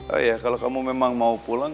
oh ya kalau kamu memang mau pulang